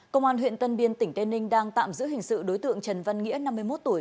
công an huyện tân biên tỉnh tên ninh đang tạm giữ hình sự đối tượng trần văn nghĩa năm mươi một tuổi